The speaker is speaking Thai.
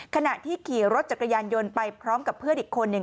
ขณะที่ขี่รถจักรยานยนต์ไปพร้อมกับเพื่อนอีกคนหนึ่ง